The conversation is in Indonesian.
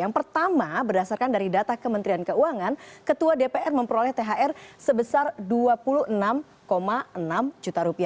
yang pertama berdasarkan dari data kementerian keuangan ketua dpr memperoleh thr sebesar dua puluh enam enam juta rupiah